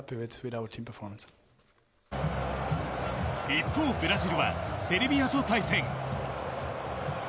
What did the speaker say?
一方ブラジルはセルビアと対戦。